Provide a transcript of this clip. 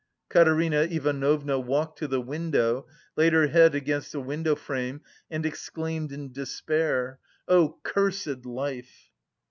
Katerina Ivanovna walked to the window, laid her head against the window frame and exclaimed in despair: "Oh, cursed life!"